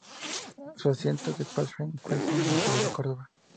Su asiento de paz se encuentra en la ciudad de Córdoba.